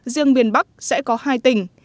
riêng miền bắc sẽ có hai tỉnh